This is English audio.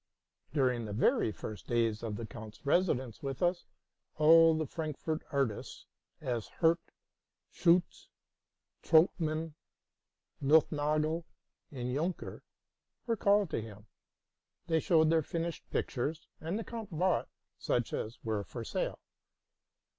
During the very first days of the count's residence with us, all the Frankfort artists, as Hirt, Schiitz, Trautmann, Noth nagel, and Junker, were called to him. They showed their finished pictures, and the count bought such as were for sale.